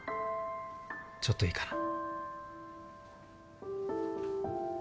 ちょっといいかな？